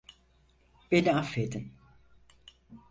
Beni affedin.